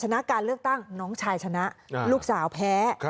ชนะการเลือกตั้งน้องชายชนะลูกสาวแพ้